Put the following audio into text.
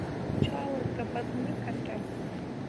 چا ورته بد نه کتل.